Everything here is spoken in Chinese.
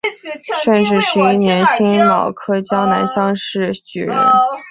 顺治十一年辛卯科江南乡试举人。